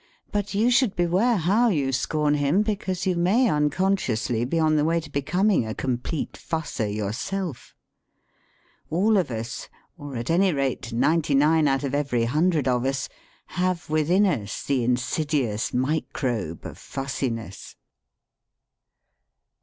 But you should beware how you scorn him, because you may unconsciously be on the way to becoming a complete fusser yourself. All of us — or at any rate ninety nine out of every hundred of us — ^have within us the insidious microbe of fussiness.